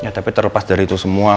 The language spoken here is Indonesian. tapi terlepas dari itu semua